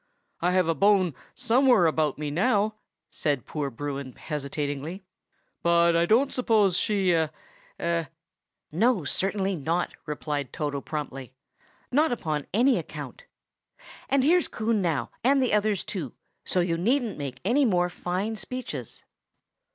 I have a bone somewhere about me now," said poor Bruin hesitatingly, "but I don't suppose she—eh?" "No, certainly not!" replied Toto promptly. "Not upon any account. And here's Coon now, and the others too, so you needn't make any more fine speeches."